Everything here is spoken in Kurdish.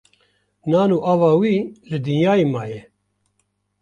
Nan û ava wî li dinyayê maye